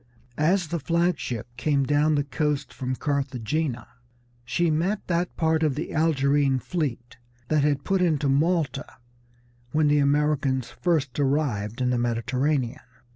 As the flag ship came down the coast from Carthagena she met that part of the Algerine fleet that had put into Malta when the Americans first arrived in the Mediterranean.